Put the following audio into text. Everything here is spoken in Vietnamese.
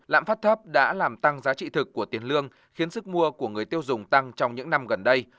lãm phát thấp đã làm tăng giá trị thực của tiền lương khiến sức mua của người tiêu dùng tăng trong những năm gần đây